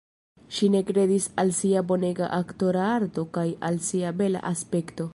Ŝi ne kredis al sia bonega aktora arto kaj al sia bela aspekto.